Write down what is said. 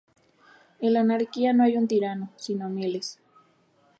En la anarquía no hay un tirano sino miles.